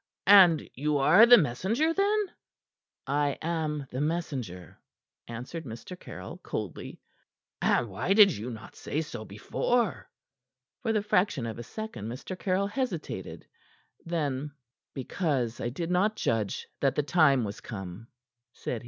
And you are the messenger, then?" "I am the messenger," answered Mr. Caryll coldly. "And why did you not say so before?" For the fraction of a second Mr. Caryll hesitated. Then: "Because I did not judge that the time was come," said he.